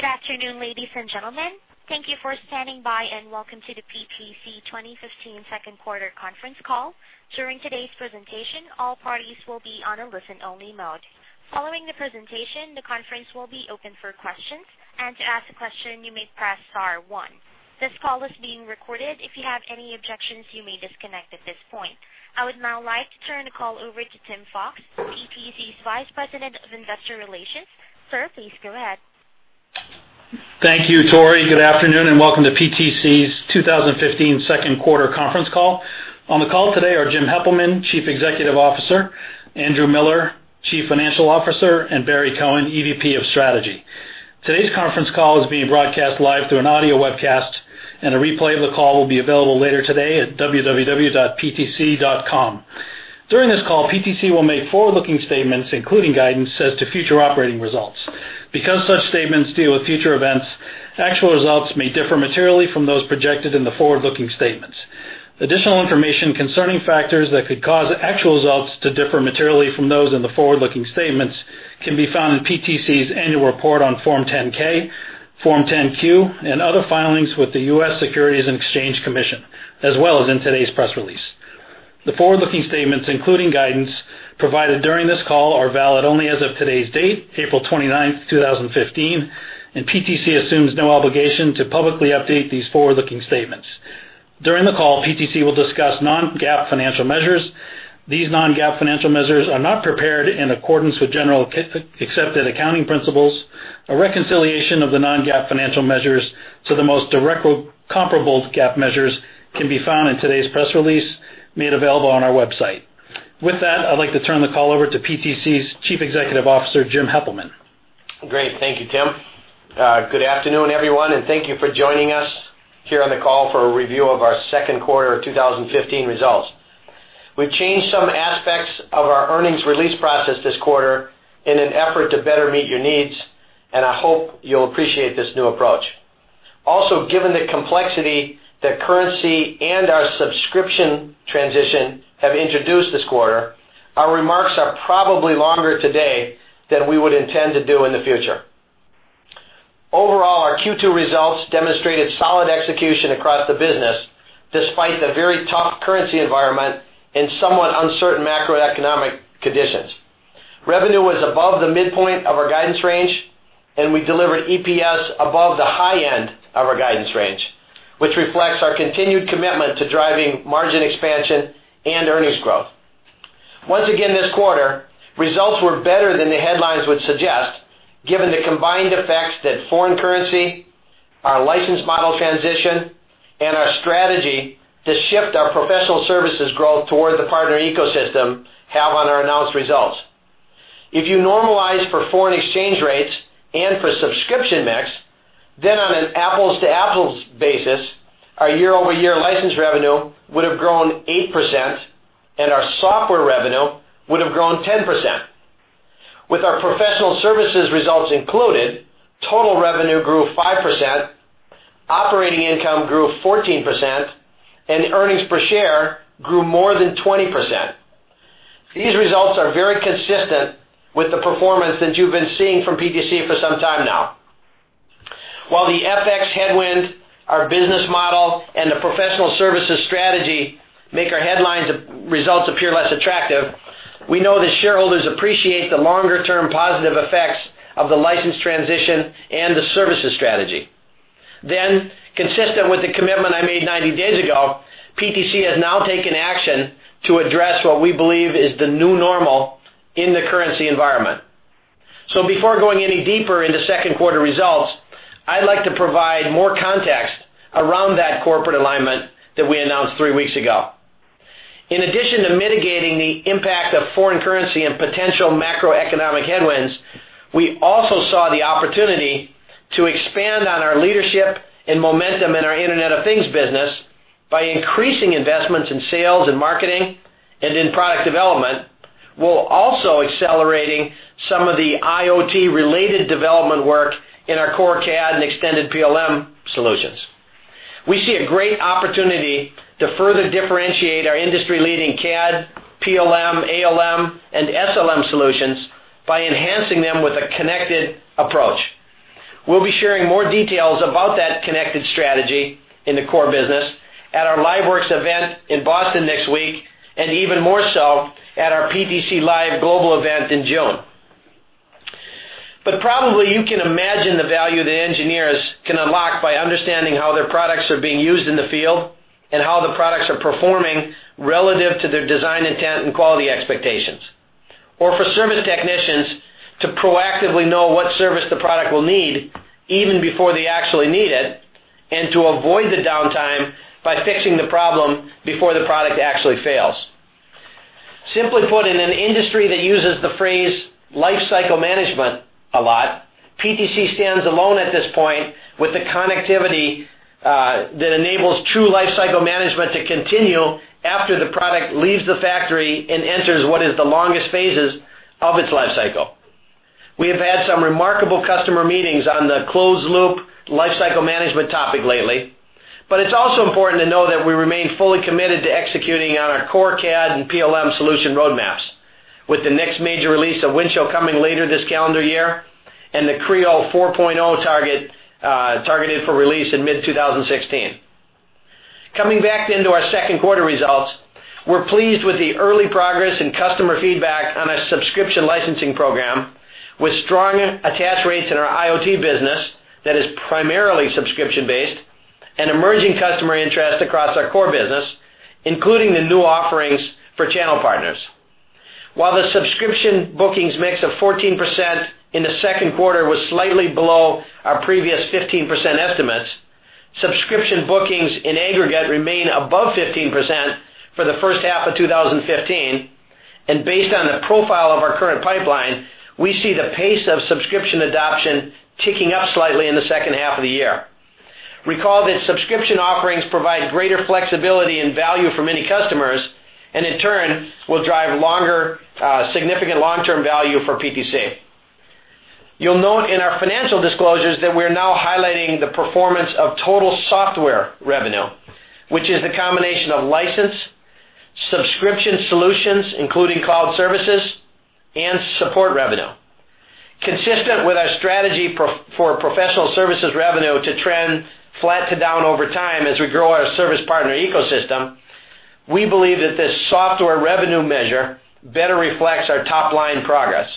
Good afternoon, ladies and gentlemen. Thank you for standing by, and welcome to the PTC 2015 second quarter conference call. During today's presentation, all parties will be on a listen-only mode. Following the presentation, the conference will be open for questions. To ask a question, you may press star one. This call is being recorded. If you have any objections, you may disconnect at this point. I would now like to turn the call over to Tim Fox, PTC's Vice President of Investor Relations. Sir, please go ahead. Thank you, Tori. Good afternoon, and welcome to PTC's 2015 second quarter conference call. On the call today are Jim Heppelmann, Chief Executive Officer, Andrew Miller, Chief Financial Officer, and Barry Cohen, EVP of Strategy. Today's conference call is being broadcast live through an audio webcast, and a replay of the call will be available later today at www.ptc.com. During this call, PTC will make forward-looking statements, including guidance as to future operating results. Because such statements deal with future events, actual results may differ materially from those projected in the forward-looking statements. Additional information concerning factors that could cause actual results to differ materially from those in the forward-looking statements can be found in PTC's annual report on Form 10-K, Form 10-Q, and other filings with the U.S. Securities and Exchange Commission, as well as in today's press release. The forward-looking statements, including guidance provided during this call, are valid only as of today's date, April 29th, 2015, and PTC assumes no obligation to publicly update these forward-looking statements. During the call, PTC will discuss non-GAAP financial measures. These non-GAAP financial measures are not prepared in accordance with general accepted accounting principles. A reconciliation of the non-GAAP financial measures to the most directly comparable GAAP measures can be found in today's press release made available on our website. With that, I'd like to turn the call over to PTC's Chief Executive Officer, Jim Heppelmann. Great. Thank you, Tim. Good afternoon, everyone, and thank you for joining us here on the call for a review of our second quarter 2015 results. We've changed some aspects of our earnings release process this quarter in an effort to better meet your needs, and I hope you'll appreciate this new approach. Also, given the complexity that currency and our subscription transition have introduced this quarter, our remarks are probably longer today than we would intend to do in the future. Overall, our Q2 results demonstrated solid execution across the business, despite the very tough currency environment and somewhat uncertain macroeconomic conditions. Revenue was above the midpoint of our guidance range, and we delivered EPS above the high end of our guidance range, which reflects our continued commitment to driving margin expansion and earnings growth. Once again, this quarter, results were better than the headlines would suggest, given the combined effects that foreign currency, our license model transition, and our strategy to shift our professional services growth toward the partner ecosystem have on our announced results. If you normalize for foreign exchange rates and for subscription mix, on an apples-to-apples basis, our year-over-year license revenue would have grown 8% and our software revenue would have grown 10%. With our professional services results included, total revenue grew 5%, operating income grew 14%, and earnings per share grew more than 20%. These results are very consistent with the performance that you've been seeing from PTC for some time now. While the FX headwind, our business model, and the professional services strategy make our headlines results appear less attractive, we know that shareholders appreciate the longer-term positive effects of the license transition and the services strategy. Consistent with the commitment I made 90 days ago, PTC has now taken action to address what we believe is the new normal in the currency environment. Before going any deeper into second quarter results, I'd like to provide more context around that corporate alignment that we announced three weeks ago. In addition to mitigating the impact of foreign currency and potential macroeconomic headwinds, we also saw the opportunity to expand on our leadership and momentum in our Internet of Things business by increasing investments in sales and marketing and in product development, while also accelerating some of the IoT-related development work in our core CAD and extended PLM solutions. We see a great opportunity to further differentiate our industry-leading CAD, PLM, ALM, and SLM solutions by enhancing them with a connected approach. We'll be sharing more details about that connected strategy in the core business at our LiveWorx event in Boston next week, and even more so at our PTC Live Global event in June. Probably you can imagine the value that engineers can unlock by understanding how their products are being used in the field and how the products are performing relative to their design intent and quality expectations. Or for service technicians to proactively know what service the product will need even before they actually need it, and to avoid the downtime by fixing the problem before the product actually fails. Simply put, in an industry that uses the phrase life cycle management a lot, PTC stands alone at this point with the connectivity that enables true life cycle management to continue after the product leaves the factory and enters what is the longest phases of its life cycle. We have had some remarkable customer meetings on the closed loop life cycle management topic lately. It's also important to know that we remain fully committed to executing on our core CAD and PLM solution roadmaps, with the next major release of Windchill coming later this calendar year, and the Creo 4.0 targeted for release in mid-2016. Coming back into our second quarter results, we're pleased with the early progress and customer feedback on our subscription licensing program, with strong attach rates in our IoT business that is primarily subscription-based, and emerging customer interest across our core business, including the new offerings for channel partners. While the subscription bookings mix of 14% in the second quarter was slightly below our previous 15% estimates, subscription bookings in aggregate remain above 15% for the first half of 2015. Based on the profile of our current pipeline, we see the pace of subscription adoption ticking up slightly in the second half of the year. Recall that subscription offerings provide greater flexibility and value for many customers, and in turn, will drive significant long-term value for PTC. You'll note in our financial disclosures that we're now highlighting the performance of total software revenue, which is the combination of license, subscription solutions, including cloud services, and support revenue. Consistent with our strategy for professional services revenue to trend flat to down over time as we grow our service partner ecosystem, we believe that this software revenue measure better reflects our top-line progress.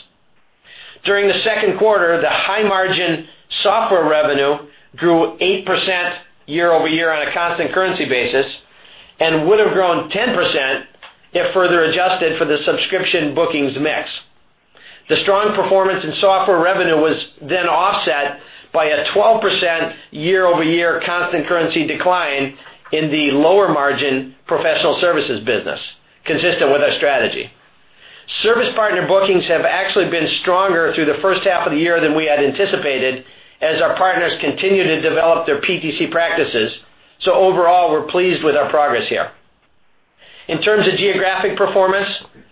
During the second quarter, the high-margin software revenue grew 8% year-over-year on a constant currency basis and would have grown 10% if further adjusted for the subscription bookings mix. The strong performance in software revenue was then offset by a 12% year-over-year constant currency decline in the lower-margin professional services business, consistent with our strategy. Service partner bookings have actually been stronger through the first half of the year than we had anticipated as our partners continue to develop their PTC practices. Overall, we're pleased with our progress here. In terms of geographic performance,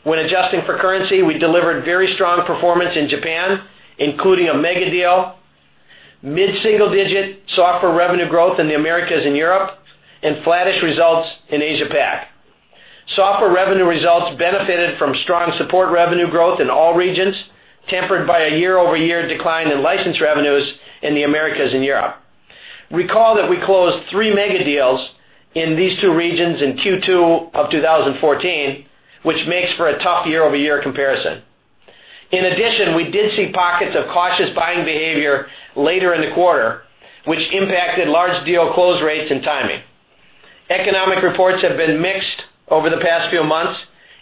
when adjusting for currency, we delivered very strong performance in Japan, including a mega deal, mid-single-digit software revenue growth in the Americas and Europe, and flattish results in Asia-Pac. Software revenue results benefited from strong support revenue growth in all regions, tempered by a year-over-year decline in license revenues in the Americas and Europe. Recall that we closed three mega deals in these two regions in Q2 of 2014, which makes for a tough year-over-year comparison. In addition, we did see pockets of cautious buying behavior later in the quarter, which impacted large deal close rates and timing. Economic reports have been mixed over the past few months,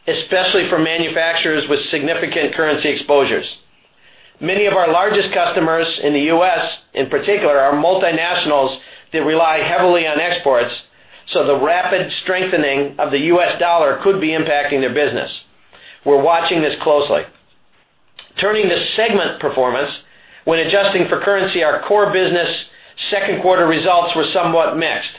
especially for manufacturers with significant currency exposures. Many of our largest customers in the U.S., in particular, are multinationals that rely heavily on exports, so the rapid strengthening of the U.S. dollar could be impacting their business. We're watching this closely. Turning to segment performance. When adjusting for currency, our core business second quarter results were somewhat mixed.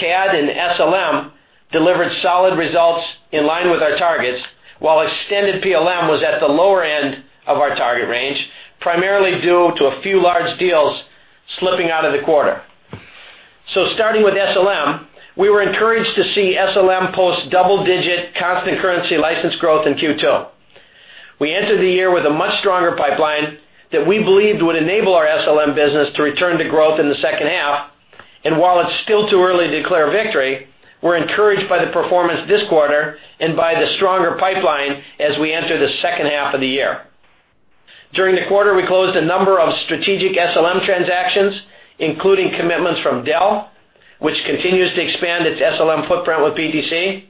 CAD and SLM delivered solid results in line with our targets, while extended PLM was at the lower end of our target range, primarily due to a few large deals slipping out of the quarter. Starting with SLM, we were encouraged to see SLM post double-digit constant currency license growth in Q2. We entered the year with a much stronger pipeline that we believed would enable our SLM business to return to growth in the second half. While it's still too early to declare victory, we're encouraged by the performance this quarter and by the stronger pipeline as we enter the second half of the year. During the quarter, we closed a number of strategic SLM transactions, including commitments from Dell, which continues to expand its SLM footprint with PTC.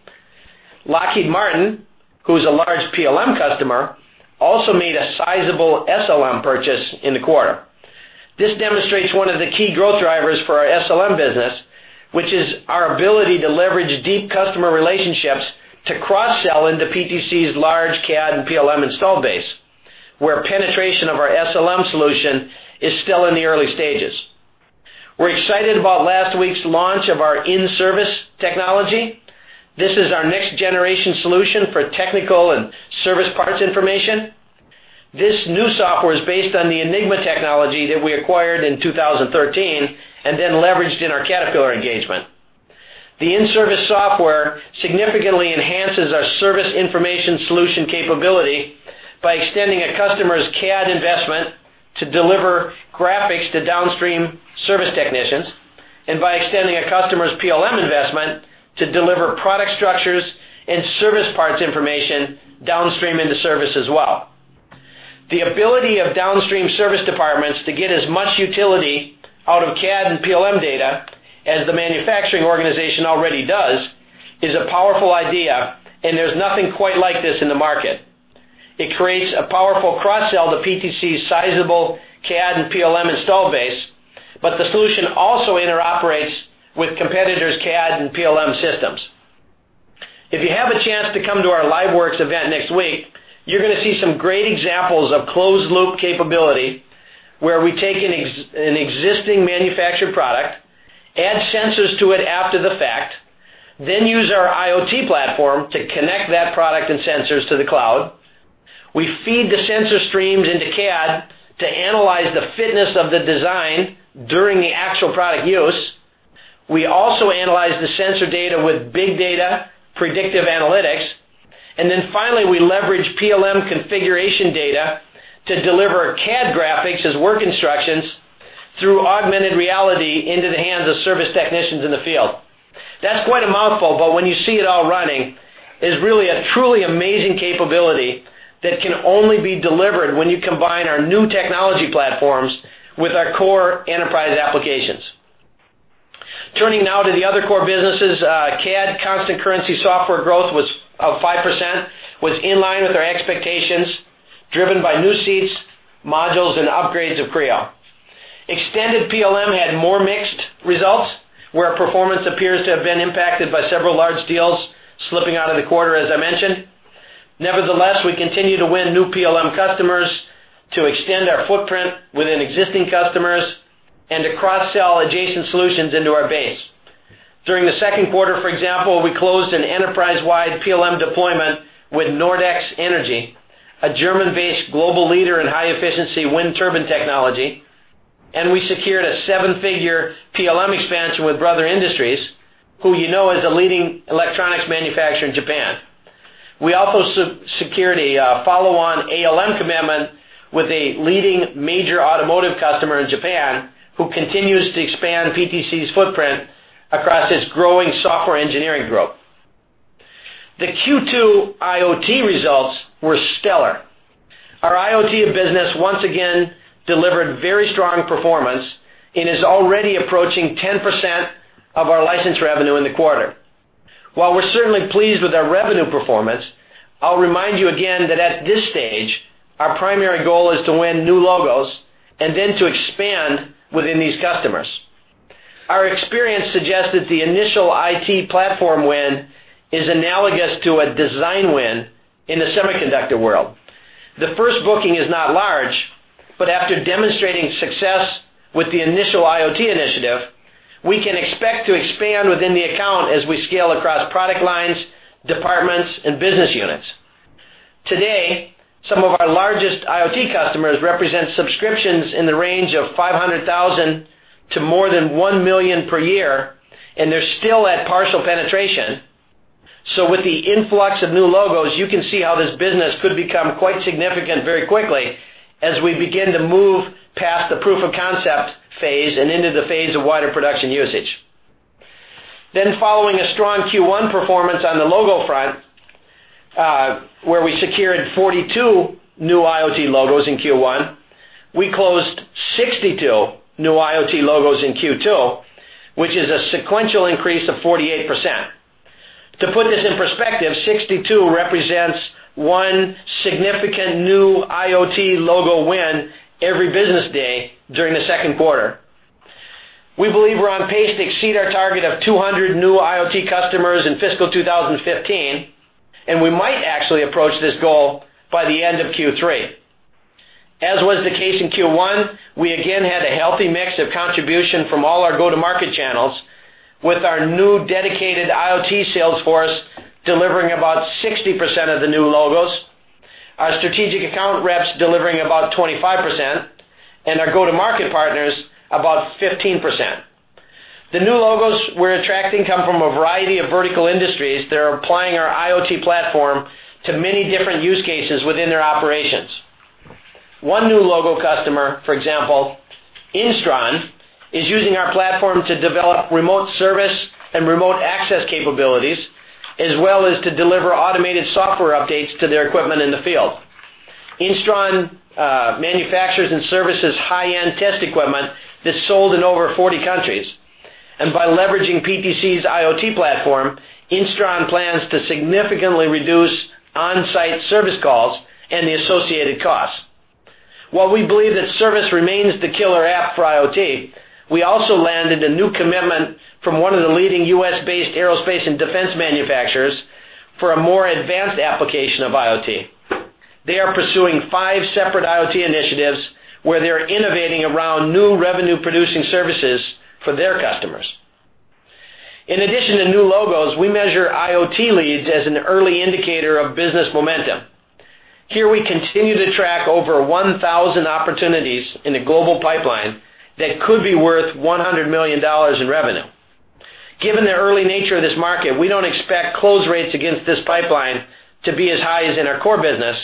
Lockheed Martin, who's a large PLM customer, also made a sizable SLM purchase in the quarter. This demonstrates one of the key growth drivers for our SLM business, which is our ability to leverage deep customer relationships to cross-sell into PTC's large CAD and PLM install base, where penetration of our SLM solution is still in the early stages. We're excited about last week's launch of our InService technology. This is our next-generation solution for technical and service parts information. This new software is based on the Enigma technology that we acquired in 2013 and then leveraged in our Caterpillar engagement. The in-service software significantly enhances our service information solution capability by extending a customer's CAD investment to deliver graphics to downstream service technicians, and by extending a customer's PLM investment to deliver product structures and service parts information downstream into service as well. The ability of downstream service departments to get as much utility out of CAD and PLM data as the manufacturing organization already does is a powerful idea, and there's nothing quite like this in the market. It creates a powerful cross-sell to PTC's sizable CAD and PLM install base. The solution also interoperates with competitors' CAD and PLM systems. If you have a chance to come to our LiveWorx event next week, you're going to see some great examples of closed-loop capability where we take an existing manufactured product, add sensors to it after the fact, then use our IoT platform to connect that product and sensors to the cloud. We feed the sensor streams into CAD to analyze the fitness of the design during the actual product use. We also analyze the sensor data with big data predictive analytics. Finally, we leverage PLM configuration data to deliver CAD graphics as work instructions through augmented reality into the hands of service technicians in the field. That's quite a mouthful. When you see it all running, it is really a truly amazing capability that can only be delivered when you combine our new technology platforms with our core enterprise applications. Turning now to the other core businesses, CAD constant currency software growth was of 5%, was in line with our expectations, driven by new seats, modules, and upgrades of Creo. Extended PLM had more mixed results, where our performance appears to have been impacted by several large deals slipping out of the quarter, as I mentioned. Nevertheless, we continue to win new PLM customers to extend our footprint within existing customers and to cross-sell adjacent solutions into our base. During the second quarter, for example, we closed an enterprise-wide PLM deployment with Nordex SE, a German-based global leader in high-efficiency wind turbine technology, and we secured a seven-figure PLM expansion with Brother Industries, who you know is a leading electronics manufacturer in Japan. We also secured a follow-on ALM commitment with a leading major automotive customer in Japan, who continues to expand PTC's footprint across its growing software engineering group. The Q2 IoT results were stellar. Our IoT business once again delivered very strong performance and is already approaching 10% of our license revenue in the quarter. While we're certainly pleased with our revenue performance, I'll remind you again that at this stage, our primary goal is to win new logos and then to expand within these customers. Our experience suggests that the initial IoT platform win is analogous to a design win in the semiconductor world. The first booking is not large. After demonstrating success with the initial IoT initiative, we can expect to expand within the account as we scale across product lines, departments, and business units. Today, some of our largest IoT customers represent subscriptions in the range of $500,000 to more than $1 million per year, and they're still at partial penetration. With the influx of new logos, you can see how this business could become quite significant very quickly as we begin to move past the proof of concept phase and into the phase of wider production usage. Then following a strong Q1 performance on the logo front, where we secured 42 new IoT logos in Q1, we closed 62 new IoT logos in Q2, which is a sequential increase of 48%. To put this in perspective, 62 represents one significant new IoT logo win every business day during the second quarter. We believe we're on pace to exceed our target of 200 new IoT customers in FY 2015, and we might actually approach this goal by the end of Q3. As was the case in Q1, we again had a healthy mix of contribution from all our go-to-market channels, with our new dedicated IoT sales force delivering about 60% of the new logos, our strategic account reps delivering about 25%, and our go-to-market partners about 15%. The new logos we're attracting come from a variety of vertical industries that are applying our IoT platform to many different use cases within their operations. One new logo customer, for example, Instron, is using our platform to develop remote service and remote access capabilities, as well as to deliver automated software updates to their equipment in the field. Instron manufactures and services high-end test equipment that's sold in over 40 countries. By leveraging PTC's IoT platform, Instron plans to significantly reduce on-site service calls and the associated costs. While we believe that service remains the killer app for IoT, we also landed a new commitment from one of the leading U.S.-based aerospace and defense manufacturers for a more advanced application of IoT. They are pursuing five separate IoT initiatives where they are innovating around new revenue-producing services for their customers. In addition to new logos, we measure IoT leads as an early indicator of business momentum. Here we continue to track over 1,000 opportunities in the global pipeline that could be worth $100 million in revenue. Given the early nature of this market, we don't expect close rates against this pipeline to be as high as in our core business,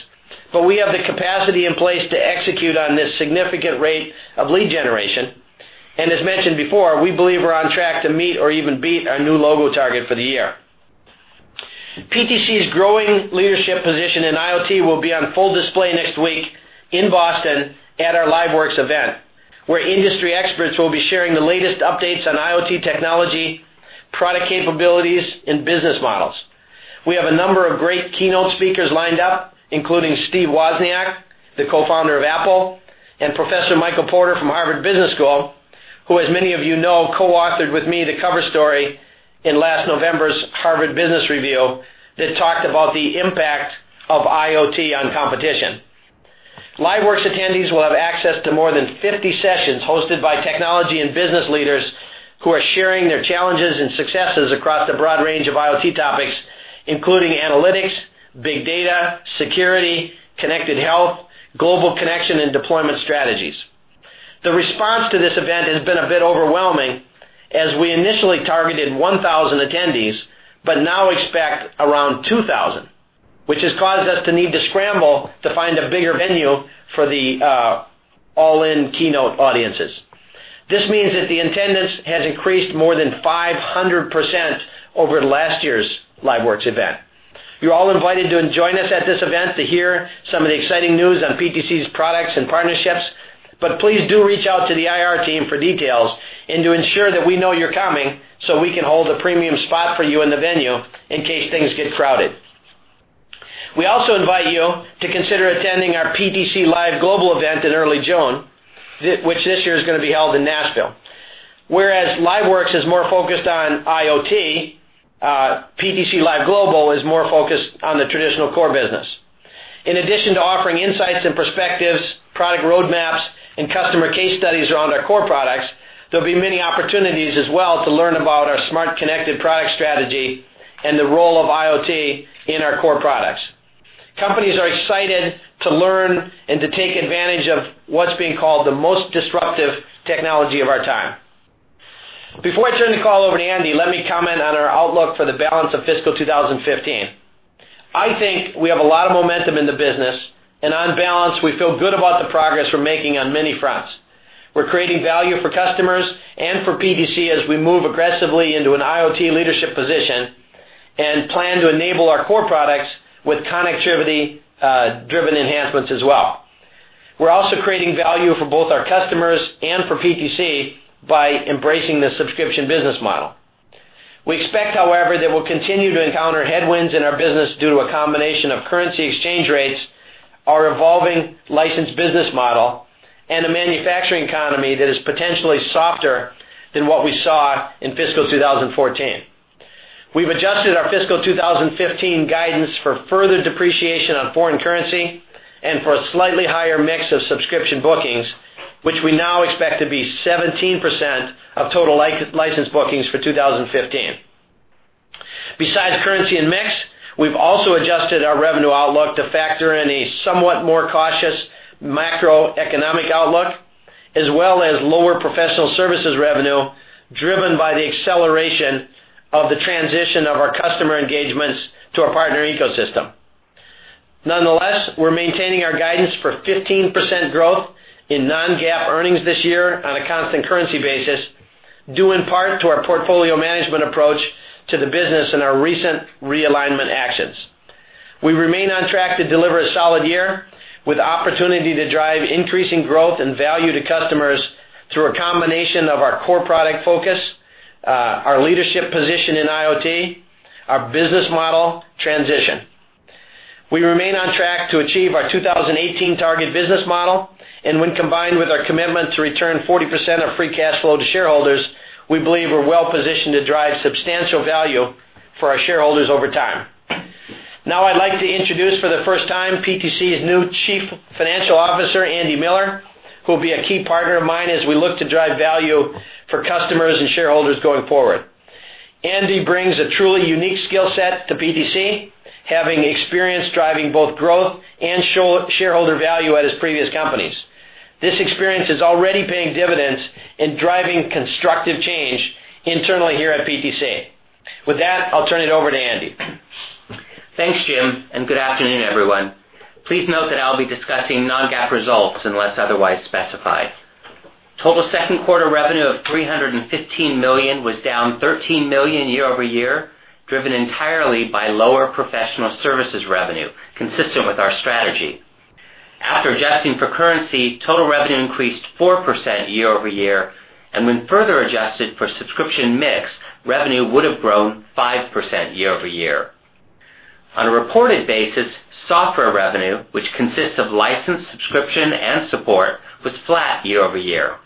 but we have the capacity in place to execute on this significant rate of lead generation. As mentioned before, we believe we're on track to meet or even beat our new logo target for the year. PTC's growing leadership position in IoT will be on full display next week in Boston at our LiveWorx event, where industry experts will be sharing the latest updates on IoT technology, product capabilities, and business models. We have a number of great keynote speakers lined up, including Steve Wozniak, the co-founder of Apple, and Professor Michael Porter from Harvard Business School, who, as many of you know, co-authored with me the cover story in last November's Harvard Business Review that talked about the impact of IoT on competition. LiveWorx attendees will have access to more than 50 sessions hosted by technology and business leaders who are sharing their challenges and successes across a broad range of IoT topics, including analytics, big data, security, connected health, global connection, and deployment strategies. The response to this event has been a bit overwhelming as we initially targeted 1,000 attendees, but now expect around 2,000, which has caused us to need to scramble to find a bigger venue for the all-in keynote audiences. This means that the attendance has increased more than 500% over last year's LiveWorx event. You're all invited to join us at this event to hear some of the exciting news on PTC's products and partnerships. Please do reach out to the IR team for details and to ensure that we know you're coming so we can hold a premium spot for you in the venue in case things get crowded. We also invite you to consider attending our PTC Live Global event in early June, which this year is going to be held in Nashville. Whereas LiveWorx is more focused on IoT, PTC Live Global is more focused on the traditional core business. In addition to offering insights and perspectives, product roadmaps, and customer case studies around our core products, there'll be many opportunities as well to learn about our smart connected product strategy and the role of IoT in our core products. Companies are excited to learn and to take advantage of what's being called the most disruptive technology of our time. Before I turn the call over to Andy, let me comment on our outlook for the balance of fiscal 2015. I think we have a lot of momentum in the business, and on balance, we feel good about the progress we're making on many fronts. We're creating value for customers and for PTC as we move aggressively into an IoT leadership position and plan to enable our core products with connectivity-driven enhancements as well. We're also creating value for both our customers and for PTC by embracing the subscription business model. We expect, however, that we'll continue to encounter headwinds in our business due to a combination of currency exchange rates, our evolving license business model, and a manufacturing economy that is potentially softer than what we saw in fiscal 2014. We've adjusted our fiscal 2015 guidance for further depreciation on foreign currency and for a slightly higher mix of subscription bookings, which we now expect to be 17% of total license bookings for 2015. Besides currency and mix, we've also adjusted our revenue outlook to factor in a somewhat more cautious macroeconomic outlook, as well as lower professional services revenue, driven by the acceleration of the transition of our customer engagements to our partner ecosystem. Nonetheless, we're maintaining our guidance for 15% growth in non-GAAP earnings this year on a constant currency basis, due in part to our portfolio management approach to the business and our recent realignment actions. We remain on track to deliver a solid year with opportunity to drive increasing growth and value to customers through a combination of our core product focus, our leadership position in IoT, our business model transition. We remain on track to achieve our 2018 target business model, and when combined with our commitment to return 40% of free cash flow to shareholders, we believe we're well positioned to drive substantial value for our shareholders over time. I'd like to introduce for the first time PTC's new Chief Financial Officer, Andy Miller, who will be a key partner of mine as we look to drive value for customers and shareholders going forward. Andy brings a truly unique skill set to PTC, having experience driving both growth and shareholder value at his previous companies. This experience is already paying dividends in driving constructive change internally here at PTC. With that, I'll turn it over to Andy. Thanks, Jim, and good afternoon, everyone. Please note that I'll be discussing non-GAAP results unless otherwise specified. Total second quarter revenue of $315 million was down $13 million year-over-year, driven entirely by lower professional services revenue, consistent with our strategy. After adjusting for currency, total revenue increased 4% year-over-year, and when further adjusted for subscription mix, revenue would have grown 5% year-over-year. On a reported basis, software revenue, which consists of license, subscription, and support, was flat year-over-year.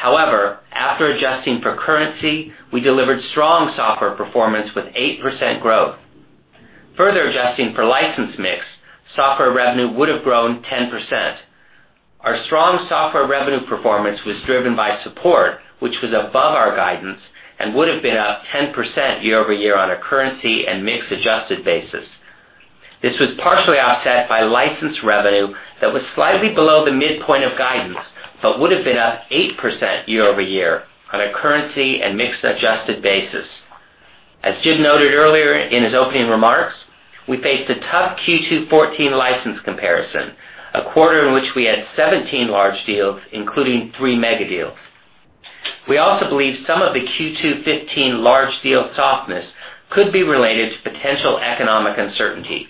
After adjusting for currency, we delivered strong software performance with 8% growth. Further adjusting for license mix, software revenue would have grown 10%. Our strong software revenue performance was driven by support, which was above our guidance and would have been up 10% year-over-year on a currency and mixed adjusted basis. This was partially offset by license revenue that was slightly below the midpoint of guidance but would have been up 8% year-over-year on a currency and mixed adjusted basis. As Jim noted earlier in his opening remarks, we faced a tough Q2 2014 license comparison, a quarter in which we had 17 large deals, including three mega deals. We also believe some of the Q2 2015 large deal softness could be related to potential economic uncertainty.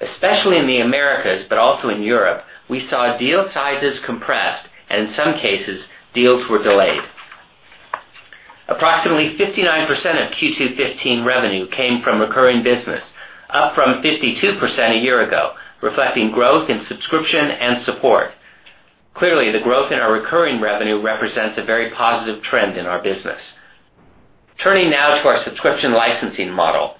Especially in the Americas, but also in Europe, we saw deal sizes compressed, and in some cases, deals were delayed. Approximately 59% of Q2 2015 revenue came from recurring business, up from 52% a year ago, reflecting growth in subscription and support. Clearly, the growth in our recurring revenue represents a very positive trend in our business. Turning now to our subscription licensing model.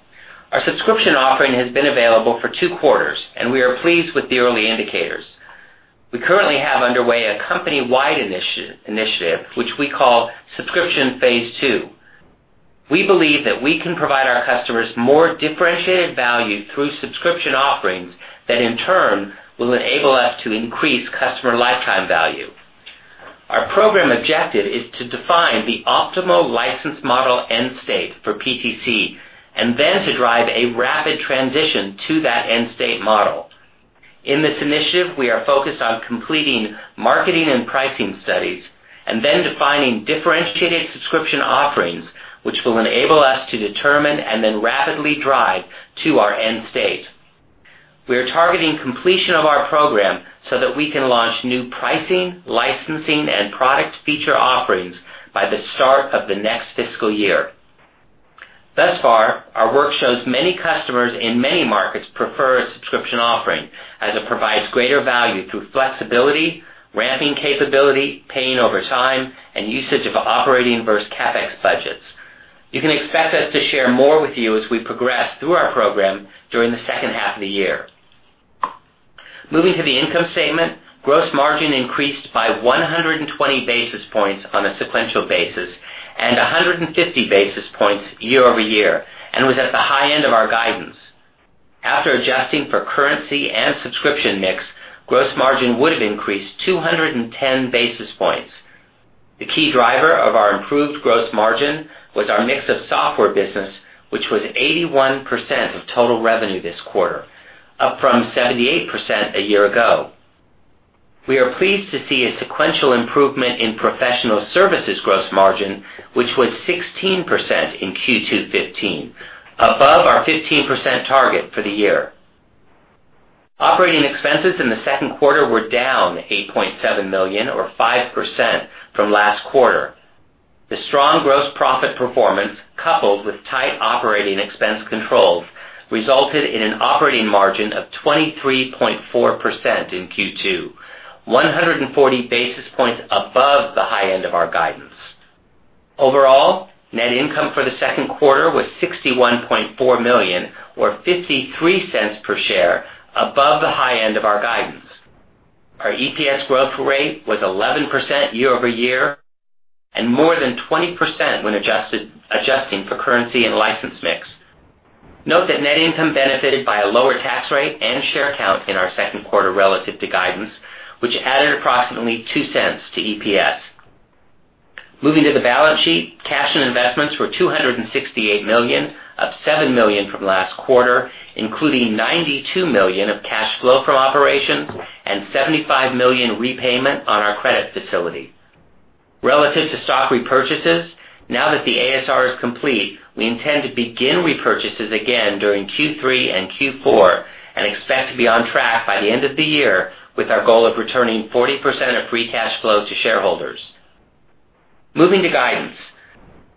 Our subscription offering has been available for two quarters, and we are pleased with the early indicators. We currently have underway a company-wide initiative, which we call Subscription Phase Two. We believe that we can provide our customers more differentiated value through subscription offerings that in turn will enable us to increase customer lifetime value. Our program objective is to define the optimal license model end state for PTC, and then to drive a rapid transition to that end state model. In this initiative, we are focused on completing marketing and pricing studies and then defining differentiated subscription offerings, which will enable us to determine and then rapidly drive to our end state. We are targeting completion of our program so that we can launch new pricing, licensing, and product feature offerings by the start of the next fiscal year. Thus far, our work shows many customers in many markets prefer a subscription offering as it provides greater value through flexibility, ramping capability, paying over time, and usage of operating versus CapEx budgets. You can expect us to share more with you as we progress through our program during the second half of the year. Moving to the income statement, gross margin increased by 120 basis points on a sequential basis and 150 basis points year-over-year, and was at the high end of our guidance. After adjusting for currency and subscription mix, gross margin would have increased 210 basis points. The key driver of our improved gross margin was our mix of software business, which was 81% of total revenue this quarter, up from 78% a year ago. We are pleased to see a sequential improvement in professional services gross margin, which was 16% in Q2 2015, above our 15% target for the year. Operating expenses in the second quarter were down $8.7 million, or 5%, from last quarter. The strong gross profit performance, coupled with tight operating expense controls, resulted in an operating margin of 23.4% in Q2, 140 basis points above the high end of our guidance. Overall, net income for the second quarter was $61.4 million, or $0.53 per share above the high end of our guidance. Our EPS growth rate was 11% year-over-year and more than 20% when adjusting for currency and license mix. Note that net income benefited by a lower tax rate and share count in our second quarter relative to guidance, which added approximately $0.02 to EPS. Moving to the balance sheet, cash and investments were $268 million, up $7 million from last quarter, including $92 million of cash flow from operations and $75 million repayment on our credit facility. Relative to stock repurchases, now that the ASR is complete, we intend to begin repurchases again during Q3 and Q4, and expect to be on track by the end of the year with our goal of returning 40% of free cash flow to shareholders. Moving to guidance.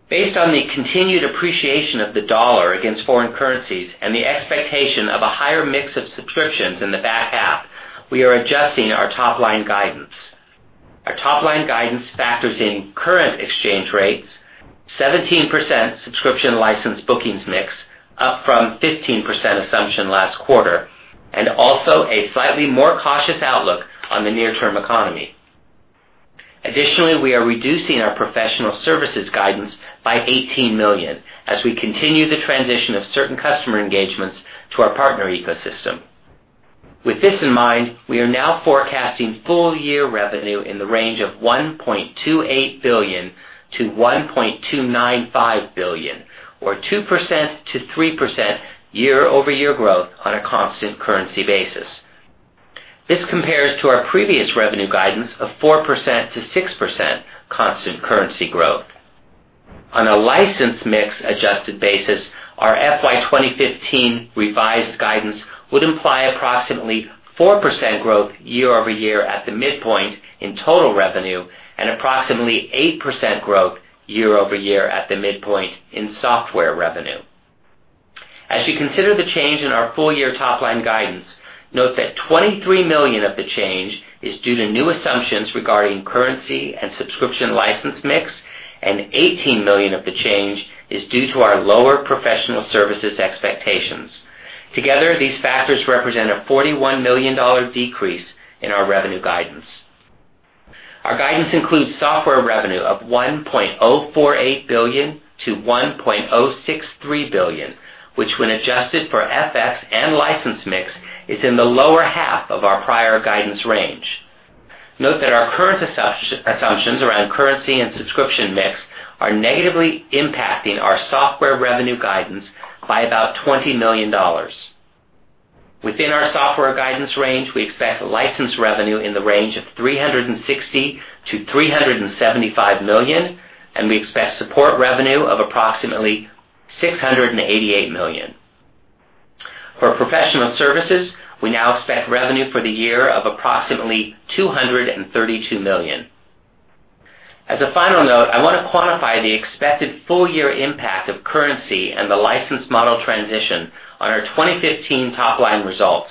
Based on the continued appreciation of the dollar against foreign currencies and the expectation of a higher mix of subscriptions in the back half, we are adjusting our top-line guidance. Our top-line guidance factors in current exchange rates, 17% subscription license bookings mix, up from 15% assumption last quarter, and also a slightly more cautious outlook on the near-term economy. Additionally, we are reducing our professional services guidance by $18 million as we continue the transition of certain customer engagements to our partner ecosystem. With this in mind, we are now forecasting full-year revenue in the range of $1.28 billion-$1.295 billion, or 2%-3% year-over-year growth on a constant currency basis. This compares to our previous revenue guidance of 4%-6% constant currency growth. On a license mix adjusted basis, our FY 2015 revised guidance would imply approximately 4% growth year-over-year at the midpoint in total revenue and approximately 8% growth year-over-year at the midpoint in software revenue. As you consider the change in our full year top-line guidance, note that $23 million of the change is due to new assumptions regarding currency and subscription license mix, and $18 million of the change is due to our lower professional services expectations. Together, these factors represent a $41 million decrease in our revenue guidance. Our guidance includes software revenue of $1.048 billion-$1.063 billion, which when adjusted for FX and license mix, is in the lower half of our prior guidance range. Note that our current assumptions around currency and subscription mix are negatively impacting our software revenue guidance by about $20 million. Within our software guidance range, we expect license revenue in the range of $360 million-$375 million, and we expect support revenue of approximately $688 million. For professional services, we now expect revenue for the year of approximately $232 million. As a final note, I want to quantify the expected full-year impact of currency and the license model transition on our 2015 top-line results.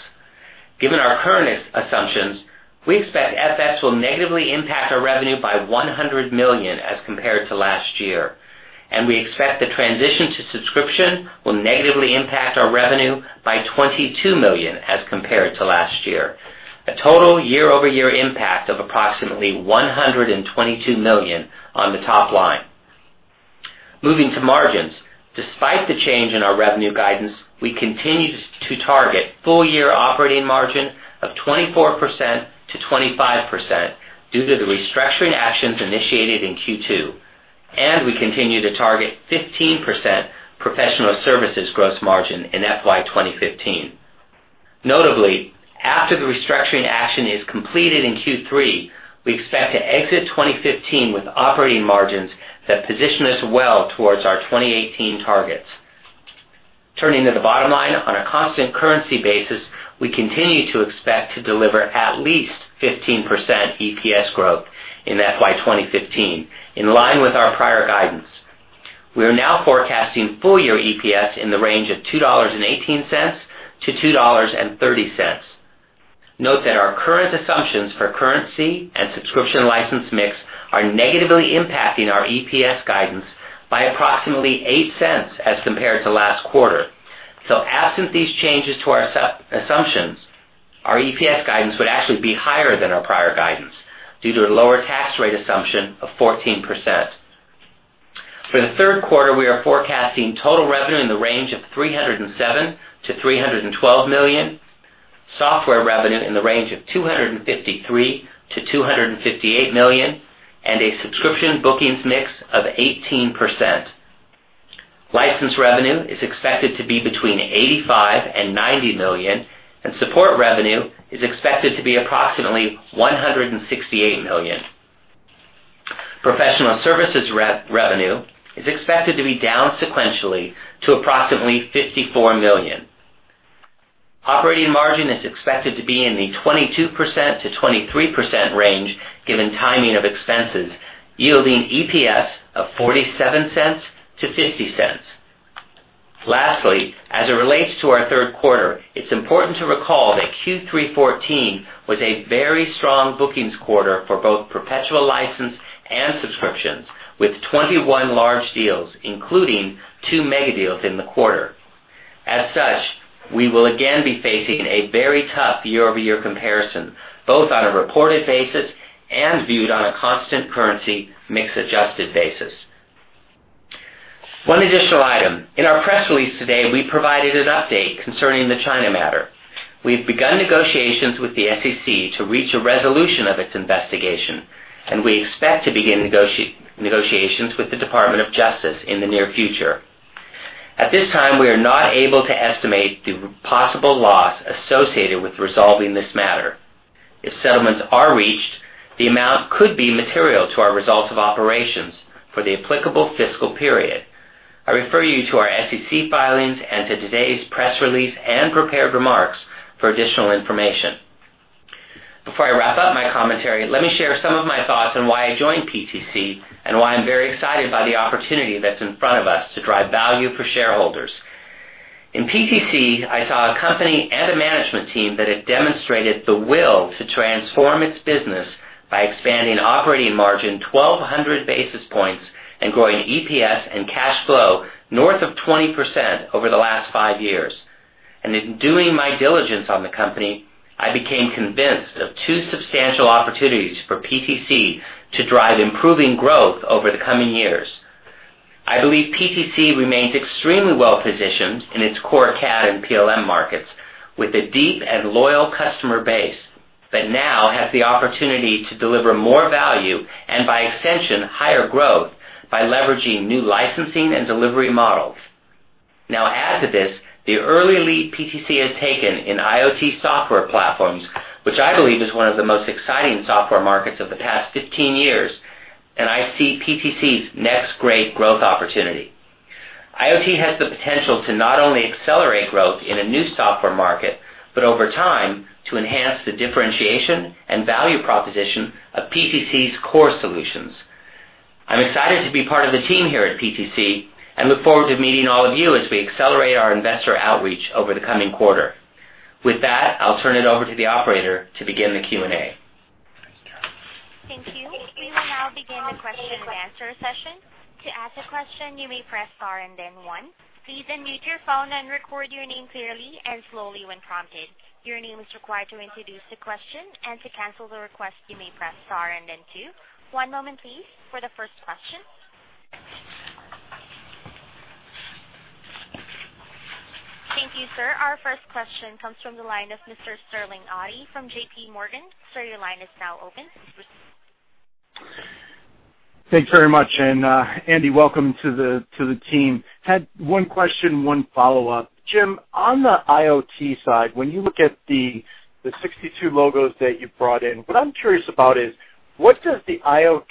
Given our current assumptions, we expect FX will negatively impact our revenue by $100 million as compared to last year. We expect the transition to subscription will negatively impact our revenue by $22 million as compared to last year. A total year-over-year impact of approximately $122 million on the top line. Moving to margins. Despite the change in our revenue guidance, we continue to target full-year operating margin of 24%-25% due to the restructuring actions initiated in Q2, and we continue to target 15% professional services gross margin in FY 2015. Notably, after the restructuring action is completed in Q3, we expect to exit 2015 with operating margins that position us well towards our 2018 targets. Turning to the bottom line. On a constant currency basis, we continue to expect to deliver at least 15% EPS growth in FY 2015, in line with our prior guidance. We are now forecasting full-year EPS in the range of $2.18-$2.30. Note that our current assumptions for currency and subscription license mix are negatively impacting our EPS guidance by approximately $0.08 as compared to last quarter. Absent these changes to our assumptions, our EPS guidance would actually be higher than our prior guidance due to a lower tax rate assumption of 14%. For the third quarter, we are forecasting total revenue in the range of $307 million-$312 million, software revenue in the range of $253 million-$258 million, and a subscription bookings mix of 18%. License revenue is expected to be between $85 million and $90 million, and support revenue is expected to be approximately $168 million. Professional services revenue is expected to be down sequentially to approximately $54 million. Operating margin is expected to be in the 22%-23% range, given timing of expenses, yielding EPS of $0.47-$0.50. Lastly, as it relates to our third quarter, it's important to recall that Q3 2014 was a very strong bookings quarter for both perpetual license and subscriptions, with 21 large deals, including two mega deals in the quarter. As such, we will again be facing a very tough year-over-year comparison, both on a reported basis and viewed on a constant currency mix-adjusted basis. One additional item. In our press release today, we provided an update concerning the China matter. We've begun negotiations with the SEC to reach a resolution of its investigation, and we expect to begin negotiations with the Department of Justice in the near future. At this time, we are not able to estimate the possible loss associated with resolving this matter. If settlements are reached, the amount could be material to our results of operations for the applicable fiscal period. I refer you to our SEC filings and to today's press release and prepared remarks for additional information. Before I wrap up my commentary, let me share some of my thoughts on why I joined PTC and why I'm very excited by the opportunity that's in front of us to drive value for shareholders. In PTC, I saw a company and a management team that had demonstrated the will to transform its business by expanding operating margin 1,200 basis points and growing EPS and cash flow north of 20% over the last five years. In doing my diligence on the company, I became convinced of two substantial opportunities for PTC to drive improving growth over the coming years. I believe PTC remains extremely well-positioned in its core CAD and PLM markets with a deep and loyal customer base that now has the opportunity to deliver more value and, by extension, higher growth by leveraging new licensing and delivery models. Now, add to this the early lead PTC has taken in IoT software platforms, which I believe is one of the most exciting software markets of the past 15 years, and I see PTC's next great growth opportunity. IoT has the potential to not only accelerate growth in a new software market, but over time, to enhance the differentiation and value proposition of PTC's core solutions. I'm excited to be part of the team here at PTC and look forward to meeting all of you as we accelerate our investor outreach over the coming quarter. With that, I'll turn it over to the operator to begin the Q&A. Thank you. We will now begin the question and answer session. To ask a question, you may press star and then one. Please unmute your phone and record your name clearly and slowly when prompted. Your name is required to introduce the question. To cancel the request, you may press star and then two. One moment please for the first question. Thank you, sir. Our first question comes from the line of Mr. Sterling Auty from JPMorgan. Sir, your line is now open. Thanks very much. Andy, welcome to the team. Had one question, one follow-up. Jim, on the IoT side, when you look at the 62 logos that you brought in, what I'm curious about is what does the IoT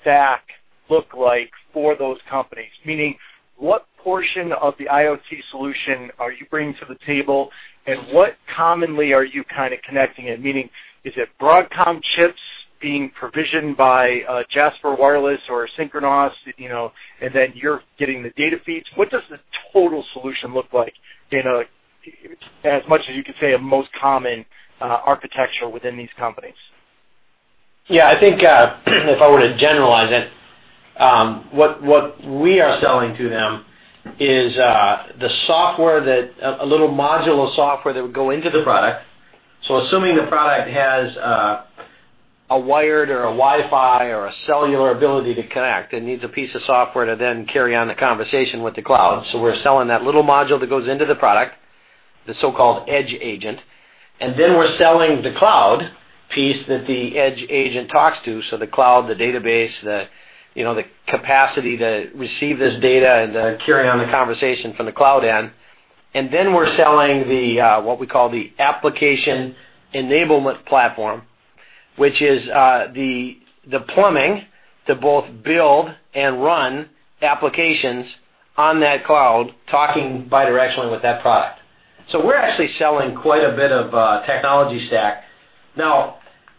stack look like for those companies? Meaning, what portion of the IoT solution are you bringing to the table, and what commonly are you kind of connecting it? Meaning is it Broadcom chips? Being provisioned by Jasper Wireless or Synchronoss, and then you're getting the data feeds. What does the total solution look like in, as much as you can say, a most common architecture within these companies? I think if I were to generalize it, what we are selling to them is a little modular software that would go into the product. Assuming the product has a wired or a Wi-Fi or a cellular ability to connect, it needs a piece of software to then carry on the conversation with the cloud. We're selling that little module that goes into the product, the so-called edge agent, and then we're selling the cloud piece that the edge agent talks to, so the cloud, the database, the capacity to receive this data and to carry on the conversation from the cloud end. Then we're selling what we call the application enablement platform, which is the plumbing to both build and run applications on that cloud, talking bidirectionally with that product. We're actually selling quite a bit of a technology stack.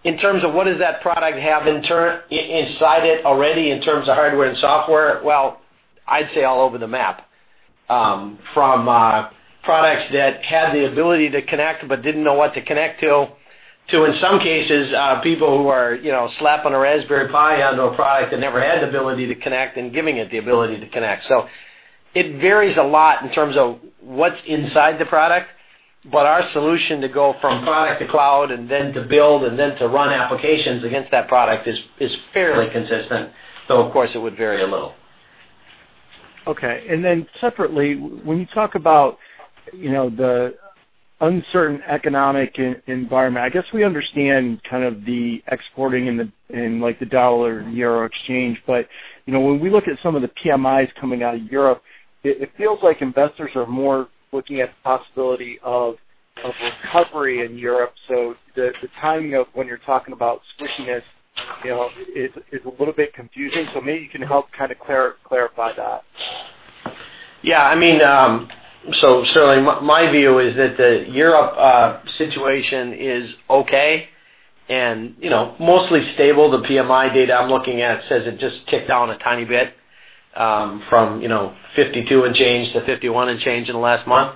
In terms of what does that product have inside it already in terms of hardware and software? I'd say all over the map. From products that had the ability to connect but didn't know what to connect to, in some cases, people who are slapping a Raspberry Pi onto a product that never had the ability to connect and giving it the ability to connect. It varies a lot in terms of what's inside the product. Our solution to go from product to cloud and then to build and then to run applications against that product is fairly consistent. Though, of course, it would vary a little. Okay. Separately, when you talk about the uncertain economic environment, I guess we understand kind of the exporting and the dollar and euro exchange. When we look at some of the PMIs coming out of Europe, it feels like investors are more looking at the possibility of a recovery in Europe. The timing of when you're talking about squishiness is a little bit confusing. Maybe you can help kind of clarify that. Certainly, my view is that the Europe situation is okay and mostly stable. The PMI data I'm looking at says it just ticked down a tiny bit, from 52 and change to 51 and change in the last month.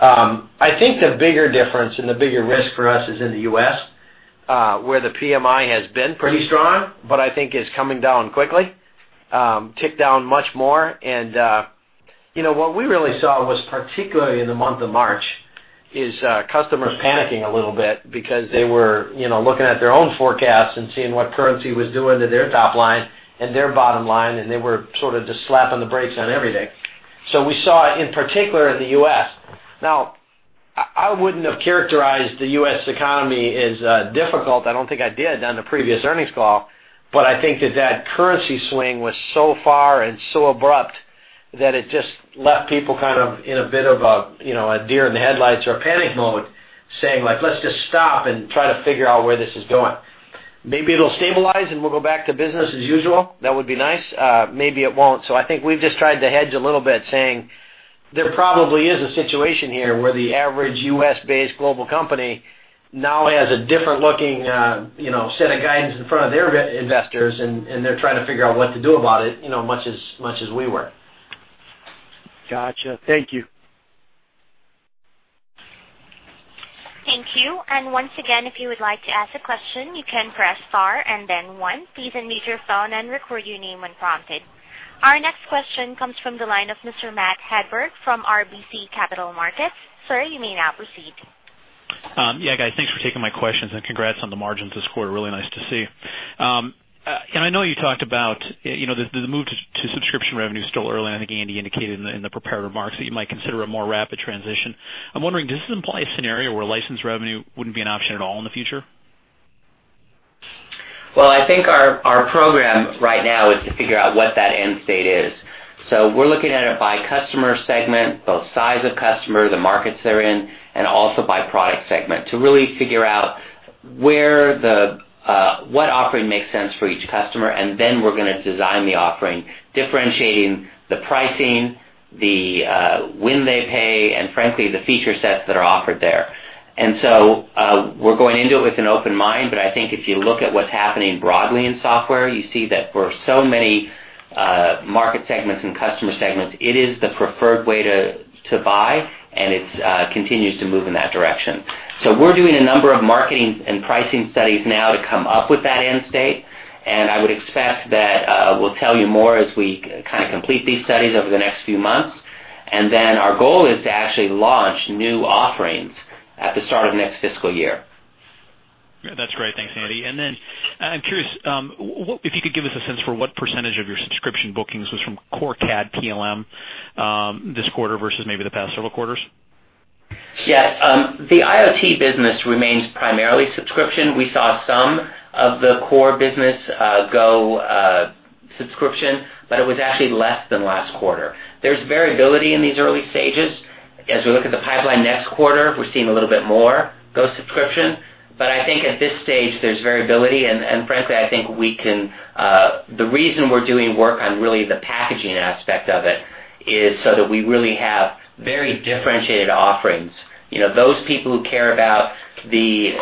I think the bigger difference and the bigger risk for us is in the U.S., where the PMI has been pretty strong, but I think is coming down quickly. Ticked down much more. What we really saw was, particularly in the month of March, is customers panicking a little bit because they were looking at their own forecasts and seeing what currency was doing to their top line and their bottom line, and they were sort of just slapping the brakes on everything. We saw it in particular in the U.S. I wouldn't have characterized the U.S. economy as difficult. I don't think I did on the previous earnings call. I think that that currency swing was so far and so abrupt that it just left people kind of in a bit of a deer in the headlights or panic mode, saying, "Let's just stop and try to figure out where this is going." Maybe it'll stabilize, and we'll go back to business as usual. That would be nice. Maybe it won't. I think we've just tried to hedge a little bit, saying there probably is a situation here where the average U.S.-based global company now has a different looking set of guidance in front of their investors, and they're trying to figure out what to do about it, much as we were. Got you. Thank you. Thank you. Once again, if you would like to ask a question, you can press star and then one. Please unmute your phone and record your name when prompted. Our next question comes from the line of Mr. Matthew Hedberg from RBC Capital Markets. Sir, you may now proceed. Yeah, guys, thanks for taking my questions, and congrats on the margins this quarter. Really nice to see. I know you talked about the move to subscription revenue is still early, and I think Andy Miller indicated in the prepared remarks that you might consider a more rapid transition. I'm wondering, does this imply a scenario where license revenue wouldn't be an option at all in the future? Well, I think our program right now is to figure out what that end state is. We're looking at it by customer segment, both size of customer, the markets they're in, and also by product segment, to really figure out what offering makes sense for each customer. We're going to design the offering, differentiating the pricing, when they pay, and frankly, the feature sets that are offered there. We're going into it with an open mind, but I think if you look at what's happening broadly in software, you see that for so many market segments and customer segments, it is the preferred way to buy, and it continues to move in that direction. We're doing a number of marketing and pricing studies now to come up with that end state, and I would expect that we'll tell you more as we kind of complete these studies over the next few months. Our goal is to actually launch new offerings at the start of next fiscal year. Yeah, that's great. Thanks, Andy Miller. I'm curious, if you could give us a sense for what % of your subscription bookings was from core CAD PLM this quarter versus maybe the past several quarters? Yeah. The IoT business remains primarily subscription. We saw some of the core business go subscription, but it was actually less than last quarter. There's variability in these early stages. As we look at the pipeline next quarter, we're seeing a little bit more go subscription. I think at this stage, there's variability, and frankly, I think the reason we're doing work on really the packaging aspect of it Is so that we really have very differentiated offerings. Those people who care about the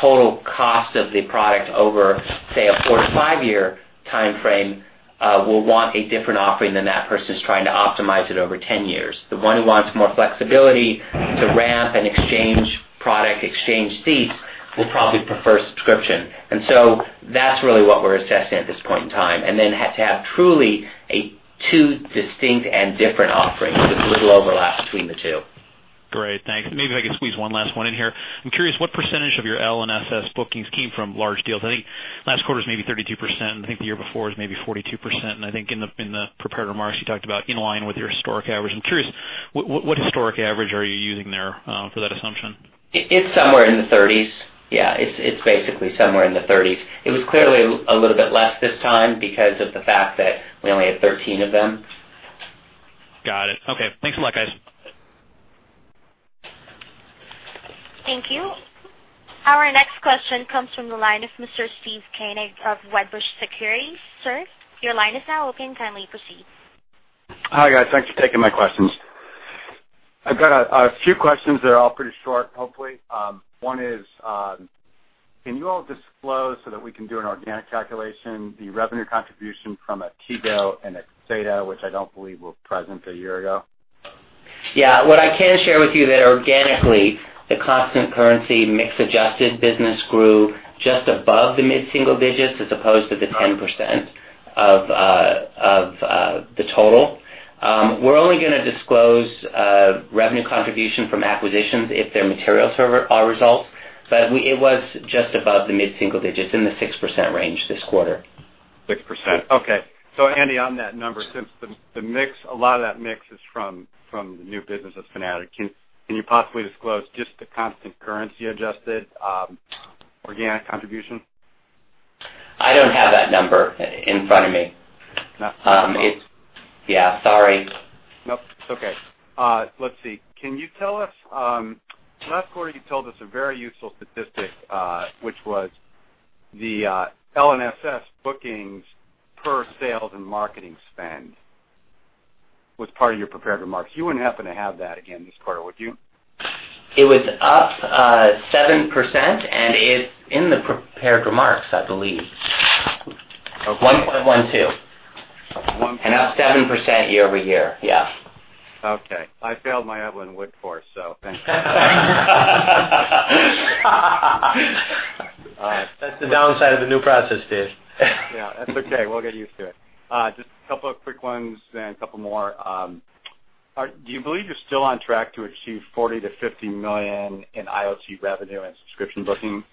total cost of the product over, say, a four to five-year timeframe, will want a different offering than that person who's trying to optimize it over 10 years. The one who wants more flexibility to ramp and exchange product, exchange seats, will probably prefer subscription. That's really what we're assessing at this point in time. To have truly two distinct and different offerings with little overlap between the two. Great. Thanks. Maybe if I could squeeze one last one in here. I'm curious what percentage of your L&SS bookings came from large deals. I think last quarter's maybe 32%, I think the year before is maybe 42%. I think in the prepared remarks, you talked about in line with your historic average. I'm curious, what historic average are you using there, for that assumption? It's somewhere in the 30s. Yeah, it's basically somewhere in the 30s. It was clearly a little bit less this time because of the fact that we only had 13 of them. Got it. Okay. Thanks a lot, guys. Thank you. Our next question comes from the line of Mr. Steve Koenig of Wedbush Securities. Sir, your line is now open. Kindly proceed. Hi, guys. Thanks for taking my questions. I've got a few questions that are all pretty short, hopefully. One is, can you all disclose so that we can do an organic calculation, the revenue contribution from Atego and Axeda, which I don't believe were present a year ago? Yeah. What I can share with you that organically the constant currency mix adjusted business grew just above the mid-single digits as opposed to the 10% of the total. We're only going to disclose revenue contribution from acquisitions if they're material to our results. It was just above the mid-single digits in the 6% range this quarter. 6%? Okay. Andy, on that number, since a lot of that mix is from the new business with FANUC, can you possibly disclose just the constant currency adjusted organic contribution? I don't have that number in front of me. Not this quarter. Yeah, sorry. Nope. It's okay. Let's see. Last quarter, you told us a very useful statistic, which was the L&SS bookings per sales and marketing spend was part of your prepared remarks. You wouldn't happen to have that again this quarter, would you? It was up 7%, and it's in the prepared remarks, I believe. Okay. 1.12. 1.12. Up 7% year-over-year. Yeah. Okay. I failed my Evelyn Wood course, so thank you. That's the downside of the new process, Steve. Yeah. That's okay. We'll get used to it. Just a couple of quick ones, then a couple more. Do you believe you're still on track to achieve $40 million-$50 million in IoT revenue and subscription bookings?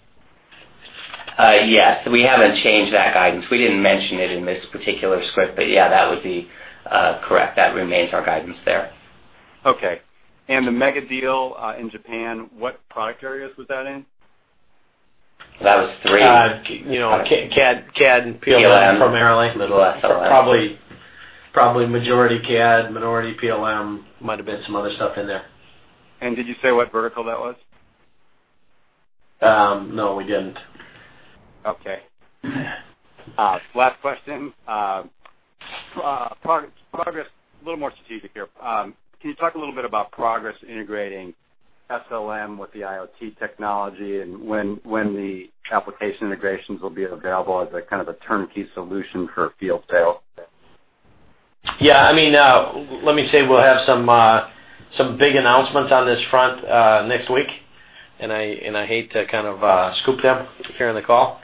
Yes, we haven't changed that guidance. We didn't mention it in this particular script, but yeah, that would be correct. That remains our guidance there. Okay. The mega deal in Japan, what product areas was that in? That was three- CAD and PLM primarily. PLM. Little of SLM. Probably majority CAD, minority PLM, might have been some other stuff in there. Did you say what vertical that was? No, we didn't. Okay. Last question. A little more strategic here. Can you talk a little bit about progress integrating SLM with the IoT technology, and when the application integrations will be available as a kind of a turnkey solution for field sales? Yeah. Let me say, we'll have some big announcements on this front next week, and I hate to kind of scoop them here on the call.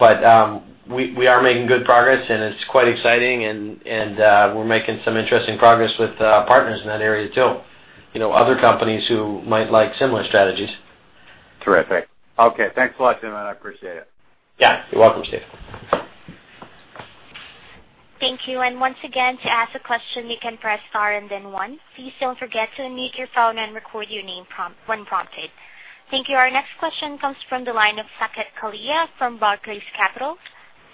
We are making good progress, and it's quite exciting, and we're making some interesting progress with partners in that area, too. Other companies who might like similar strategies. Terrific. Okay. Thanks a lot, Jim. I appreciate it. Yeah. You're welcome, Steve. Thank you. Once again, to ask a question, you can press star and then one. Please don't forget to unmute your phone and record your name when prompted. Thank you. Our next question comes from the line of Saket Kalia from Barclays Capital.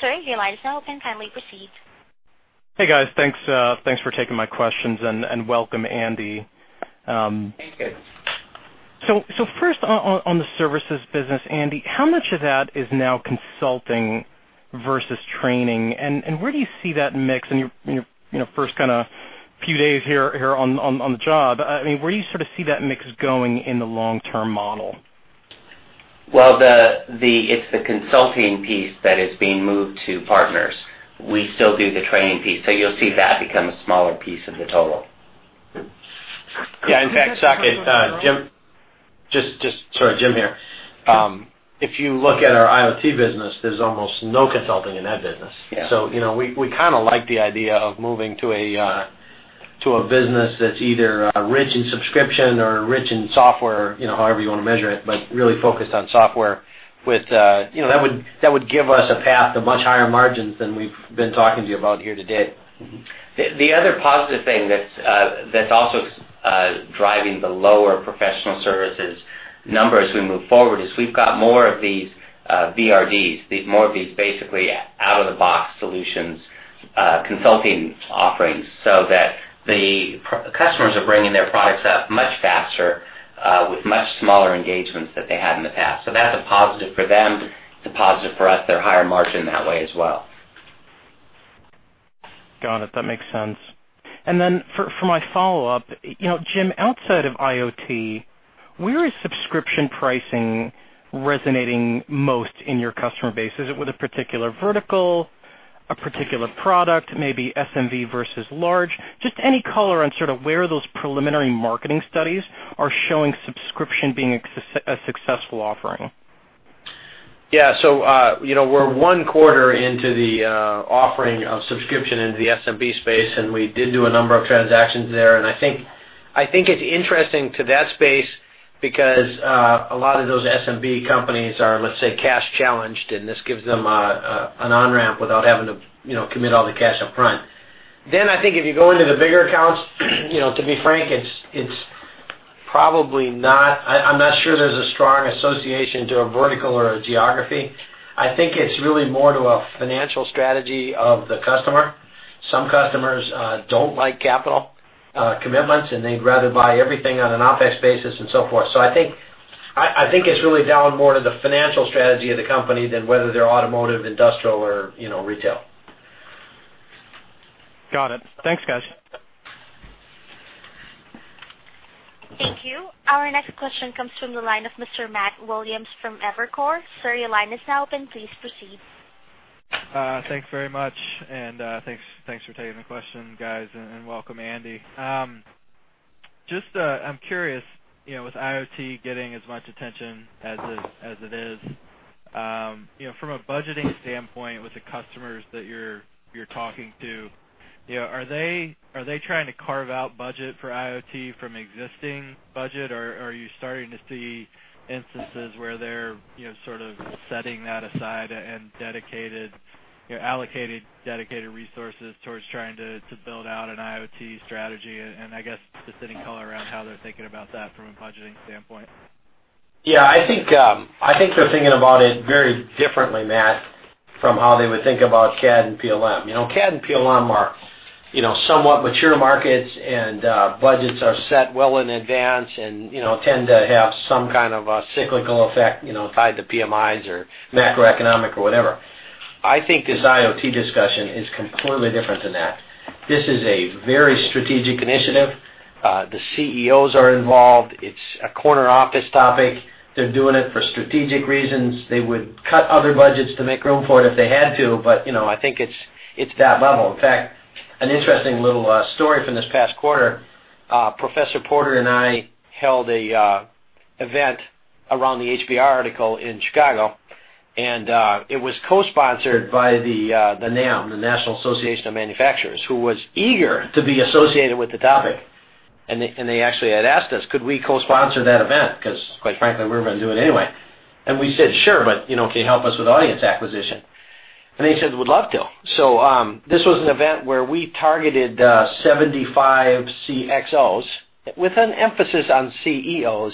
Sir, your line is now open. Kindly proceed. Hey, guys. Thanks for taking my questions, and welcome, Andy. Thank you. First on the services business, Andy, how much of that is now consulting versus training? Where do you see that mix in your first kind of few days here on the job? Where do you sort of see that mix going in the long-term model? It's the consulting piece that is being moved to partners. We still do the training piece, you'll see that become a smaller piece of the total. In fact, Saket. Sorry. Jim here. If you look at our IoT business, there's almost no consulting in that business. Yeah. We kind of like the idea of moving to a business that's either rich in subscription or rich in software, however you want to measure it, but really focused on software. That would give us a path to much higher margins than we've been talking to you about here today. The other positive thing that's also driving the lower professional services numbers as we move forward is we've got more of these VRDs, more of these basically out-of-the-box solutions, consulting offerings, so that the customers are bringing their products up much faster, with much smaller engagements than they had in the past. That's a positive for them. It's a positive for us. They're higher margin that way as well. Got it. That makes sense. Then for my follow-up, Jim, outside of IoT, where is subscription pricing resonating most in your customer base? Is it with a particular vertical, a particular product, maybe SMB versus large? Just any color on sort of where those preliminary marketing studies are showing subscription being a successful offering. Yeah. We're one quarter into the offering of subscription into the SMB space, and we did do a number of transactions there. I think it's interesting to that space because a lot of those SMB companies are, let's say, cash challenged, and this gives them an on-ramp without having to commit all the cash upfront. I think if you go into the bigger accounts, to be frank, I'm not sure there's a strong association to a vertical or a geography. I think it's really more to a financial strategy of the customer. Some customers don't like capital commitments, and they'd rather buy everything on an OPEX basis and so forth. I think it's really down more to the financial strategy of the company than whether they're automotive, industrial or retail. Got it. Thanks, guys. Thank you. Our next question comes from the line of Mr. Matt Williams from Evercore. Sir, your line is now open. Please proceed. Thanks very much, and thanks for taking the question, guys, and welcome, Andy. I'm curious, with IoT getting as much attention as it is, from a budgeting standpoint with the customers that you're talking to, are they trying to carve out budget for IoT from existing budget? Or are you starting to see instances where they're sort of setting that aside and allocating dedicated resources towards trying to build out an IoT strategy? I guess just any color around how they're thinking about that from a budgeting standpoint. Yeah, I think they're thinking about it very differently, Matt, from how they would think about CAD and PLM. CAD and PLM are somewhat mature markets, and budgets are set well in advance and tend to have some kind of a cyclical effect tied to PMIs or macroeconomic or whatever. I think this IoT discussion is completely different than that. This is a very strategic initiative. The CEOs are involved. It's a corner office topic. They're doing it for strategic reasons. They would cut other budgets to make room for it if they had to. I think it's that level. In fact, an interesting little story from this past quarter. Professor Porter and I held an event around the HBR article in Chicago, and it was co-sponsored by the NAM, the National Association of Manufacturers, who was eager to be associated with the topic. They actually had asked us, could we co-sponsor that event? Because quite frankly, we were going to do it anyway. We said, "Sure, but can you help us with audience acquisition?" They said, "We'd love to." This was an event where we targeted 75 CXOs with an emphasis on CEOs.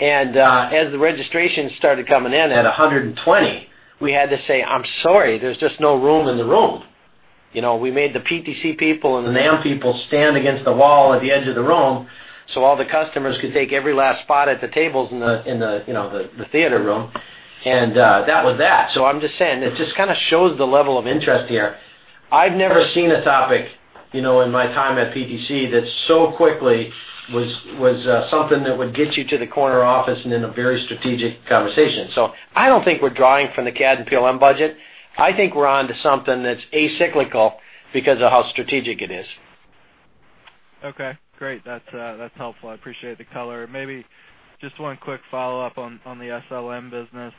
As the registration started coming in at 120, we had to say, "I'm sorry, there's just no room in the room." We made the PTC people and the NAM people stand against the wall at the edge of the room so all the customers could take every last spot at the tables in the theater room, and that was that. I'm just saying, it just kind of shows the level of interest here. I've never seen a topic in my time at PTC that so quickly was something that would get you to the corner office and in a very strategic conversation. I don't think we're drawing from the CAD and PLM budget. I think we're onto something that's acyclical because of how strategic it is. Okay, great. That's helpful. I appreciate the color. Maybe just one quick follow-up on the SLM business.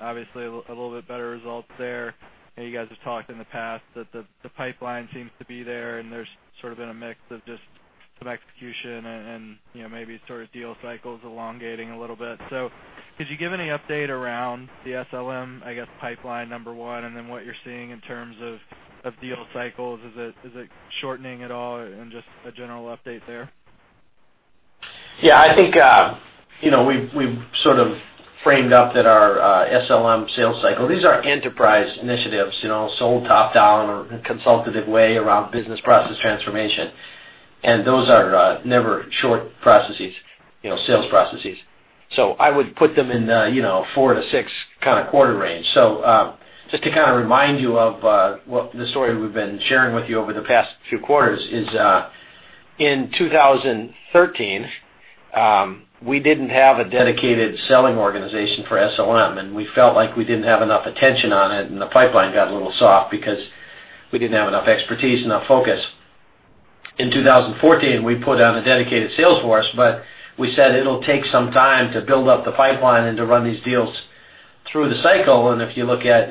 Obviously, a little bit better results there. I know you guys have talked in the past that the pipeline seems to be there, and there's sort of been a mix of just some execution and maybe sort of deal cycles elongating a little bit. Could you give any update around the SLM, I guess, pipeline, number one, and then what you're seeing in terms of deal cycles? Is it shortening at all? Just a general update there. I think we've sort of framed up that our SLM sales cycle, these are enterprise initiatives, sold top-down or in a consultative way around business process transformation, and those are never short processes, sales processes. I would put them in the 4 to 6 kind of quarter range. Just to kind of remind you of the story we've been sharing with you over the past few quarters is, in 2013, we didn't have a dedicated selling organization for SLM, and we felt like we didn't have enough attention on it, and the pipeline got a little soft because we didn't have enough expertise, enough focus. In 2014, we put down a dedicated sales force, we said it'll take some time to build up the pipeline and to run these deals through the cycle. If you look at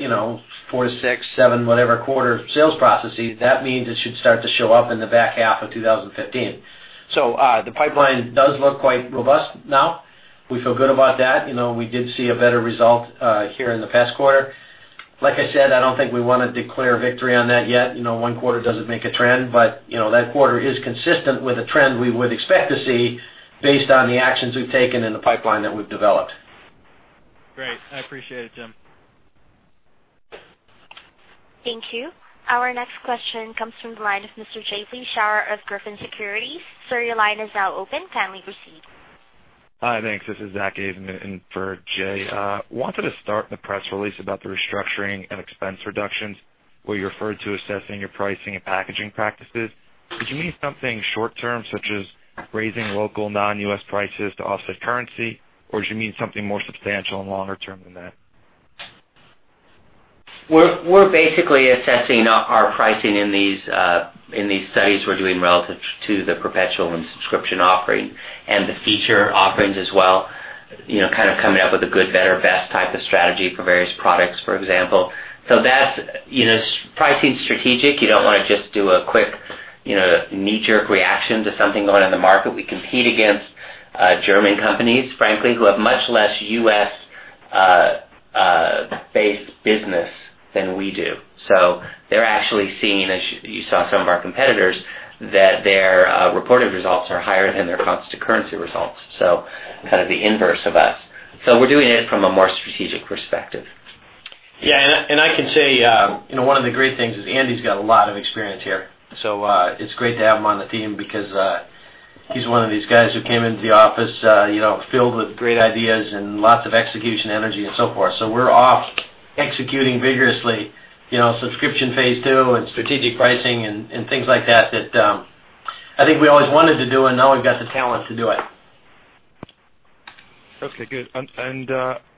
4 to 6, 7, whatever quarter sales processes, that means it should start to show up in the back half of 2015. The pipeline does look quite robust now. We feel good about that. We did see a better result here in the past quarter. Like I said, I don't think we want to declare victory on that yet. One quarter doesn't make a trend, but that quarter is consistent with a trend we would expect to see based on the actions we've taken and the pipeline that we've developed. Great. I appreciate it, Jim. Thank you. Our next question comes from the line of Mr. Jay Vleeschhouwer of Griffin Securities. Sir, your line is now open. Kindly proceed. Hi, thanks. I wanted to start in the press release about the restructuring and expense reductions, where you referred to assessing your pricing and packaging practices. Did you mean something short-term, such as raising local non-U.S. prices to offset currency? Did you mean something more substantial and longer-term than that? We're basically assessing our pricing in these studies we're doing relative to the perpetual and subscription offering and the feature offerings as well, kind of coming up with a good, better, best type of strategy for various products, for example. That's pricing strategic. You don't want to just do a quick knee-jerk reaction to something going on in the market. We compete against German companies, frankly, who have much less U.S.-based business than we do. They're actually seeing, as you saw some of our competitors, that their reported results are higher than their constant currency results. Kind of the inverse of us. We're doing it from a more strategic perspective. I can say, one of the great things is Andy's got a lot of experience here. It's great to have him on the team because he's one of these guys who came into the office filled with great ideas and lots of execution energy and so forth. We're off executing vigorously, Subscription Phase Two and strategic pricing and things like that I think we always wanted to do, and now we've got the talent to do it. Okay, good.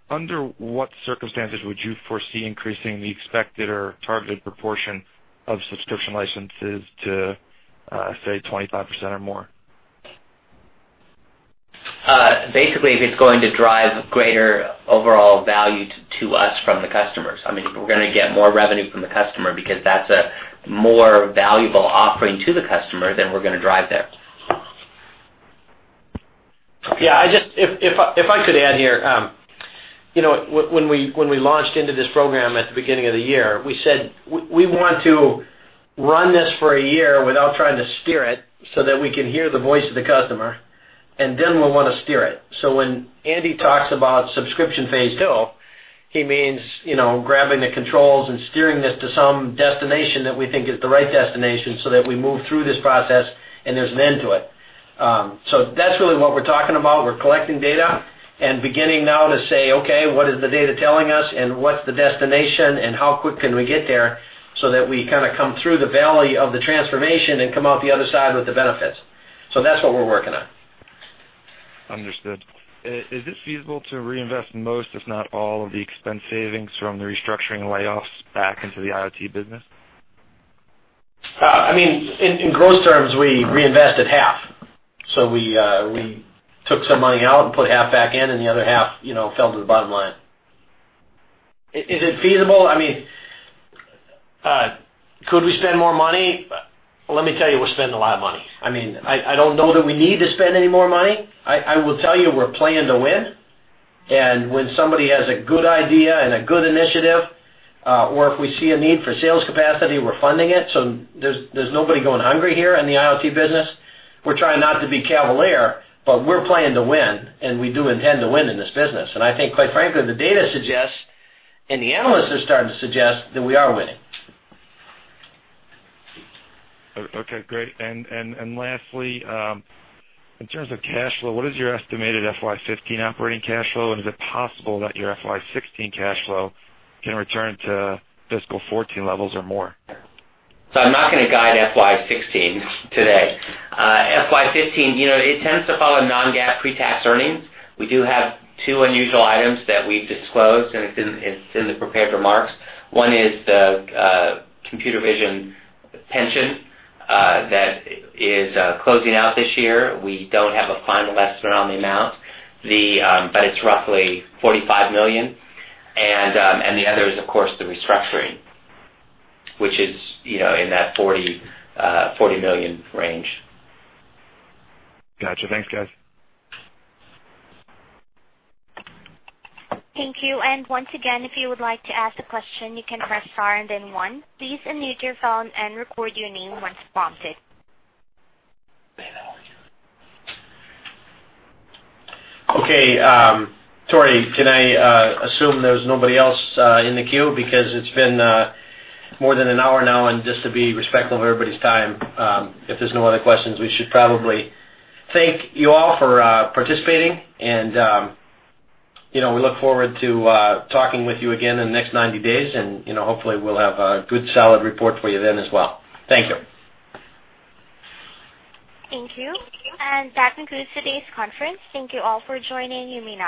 Under what circumstances would you foresee increasing the expected or targeted proportion of subscription licenses to, say, 25% or more? Basically, if it's going to drive greater overall value to us from the customers. I mean, if we're going to get more revenue from the customer because that's a more valuable offering to the customer, then we're going to drive there. Yeah, if I could add here. When we launched into this program at the beginning of the year, we said, we want to run this for a year without trying to steer it, so that we can hear the voice of the customer, and then we'll want to steer it. When Andy talks about Subscription Phase Two, he means grabbing the controls and steering this to some destination that we think is the right destination so that we move through this process and there's an end to it. That's really what we're talking about. We're collecting data and beginning now to say, okay, what is the data telling us and what's the destination and how quick can we get there, so that we kind of come through the valley of the transformation and come out the other side with the benefits. That's what we're working on. Understood. Is it feasible to reinvest most, if not all, of the expense savings from the restructuring layoffs back into the IoT business? In gross terms, we reinvested half. We took some money out and put half back in, and the other half fell to the bottom line. Is it feasible? Could we spend more money? Let me tell you, we're spending a lot of money. I don't know that we need to spend any more money. I will tell you, we're playing to win. When somebody has a good idea and a good initiative, or if we see a need for sales capacity, we're funding it. There's nobody going hungry here in the IoT business. We're trying not to be cavalier, but we're playing to win, and we do intend to win in this business. I think, quite frankly, the data suggests, and the analysts are starting to suggest, that we are winning. Okay, great. Lastly, in terms of cash flow, what is your estimated FY 2015 operating cash flow, and is it possible that your FY 2016 cash flow can return to fiscal 2014 levels or more? I'm not going to guide FY 2016 today. FY 2015, it tends to follow non-GAAP pretax earnings. We do have two unusual items that we've disclosed, and it's in the prepared remarks. One is the Computervision pension that is closing out this year. We don't have a final estimate on the amount. It's roughly $45 million. The other is, of course, the restructuring, which is in that $40 million range. Got you. Thanks, guys. Thank you. Once again, if you would like to ask a question, you can press star and then one. Please unmute your phone and record your name once prompted. Okay. Tori, can I assume there's nobody else in the queue? It's been more than an hour now, and just to be respectful of everybody's time, if there's no other questions, we should probably thank you all for participating. We look forward to talking with you again in the next 90 days, and hopefully, we'll have a good, solid report for you then as well. Thank you. Thank you. That concludes today's conference. Thank you all for joining.